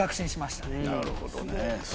なるほどね。